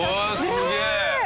すげえ！